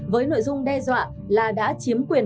với nội dung đe dọa là đã chiếm quyền